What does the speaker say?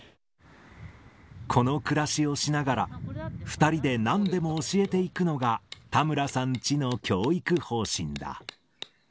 この暮らしをしながら、２人でなんでも教えていくのが田村さんチの教育方針だ。